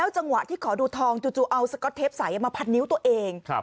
จูจูเอาสก็อตเทปใสมาผัดนิ้วตัวเอง